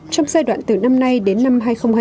trong giai đoạn từ năm nay đến năm hai nghìn hai mươi